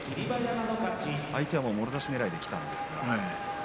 相手はもろ差しねらいできたんですが。